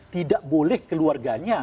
tidak boleh keluarganya